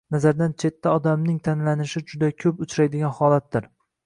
“nazardan chetda” odamning tanlanishi juda ko‘p uchraydigan holatdir.